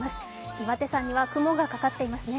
岩手山には雲がかかっていますね。